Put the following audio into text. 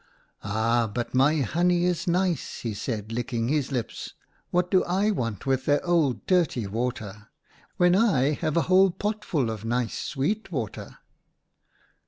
"' Aha ! but my honey is nice/ he said, licking his lips. ' What do I want with their old dirty water, when I have a whole potful of nice sweet water